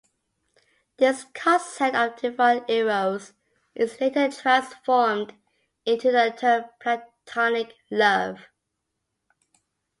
This concept of Divine Eros is later transformed into the term Platonic love.